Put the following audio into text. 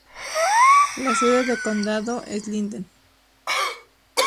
La sede de condado es Linden.